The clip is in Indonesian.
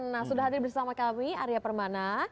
nah sudah hadir bersama kami arya permana